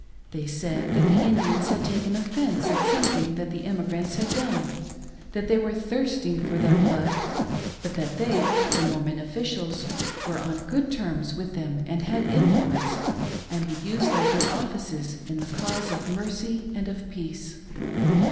They said that the Indians had taken offence at something that the emigrants had done, that they were thirsting for their blood, but that they— the Mormon offi cials— were on good terms with them and had influence, and would use their good offices in the cause of mercy and of peace.